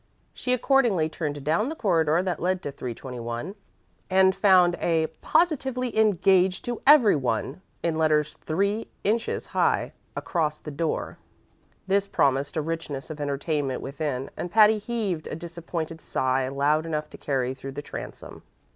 She accordingly turned down the corridor that led to 321, and found a "POSITIVELY ENGAGED TO EVERY ONE!!" in letters three inches high, across the door. This promised a richness of entertainment within, and Patty heaved a disappointed sigh loud enough to carry through the transom.